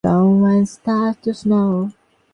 যোগীরা আরও বলেন, ইহা করিতে পারা যায়।